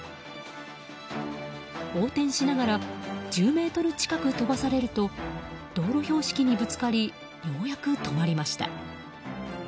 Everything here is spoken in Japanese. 横転しながら１０ｍ近く飛ばされると道路標識にぶつかりようやく止まりました。